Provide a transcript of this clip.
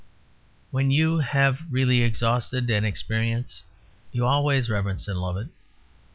When you have really exhausted an experience you always reverence and love it.